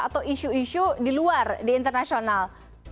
atau isu isu di luar di internasional